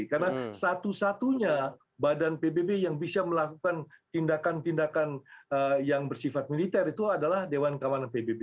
karena satu satunya badan pbb yang bisa melakukan tindakan tindakan yang bersifat militer itu adalah dewan keamanan pbb